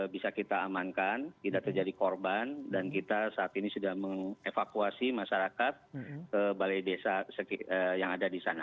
bisa kita amankan tidak terjadi korban dan kita saat ini sudah mengevakuasi masyarakat ke balai desa yang ada di sana